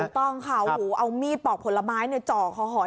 ถูกต้องค่ะเอามีดปอกผลไม้เนี่ยเจาะคอหอย